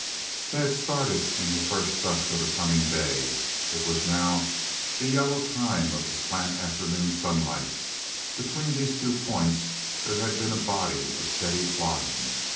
They had started in the first dusk of the coming day; it was now the yellow time of the slant afternoon sunlight; between these two points there had been a body of steady plodding.